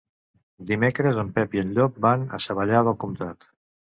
Dimecres en Pep i en Llop van a Savallà del Comtat.